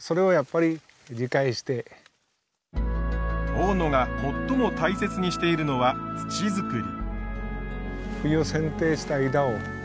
大野が最も大切にしているのは土作り。